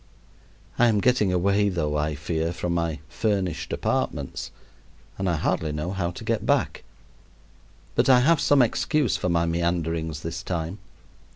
I am getting away, though, I fear, from my "furnished apartments," and I hardly know how to get back. But I have some excuse for my meanderings this time.